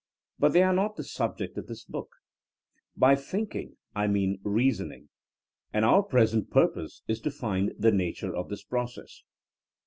But they are not the subject of this book. By thinking' ' I mean reasoning. And our present purpose is to find the nature of this process.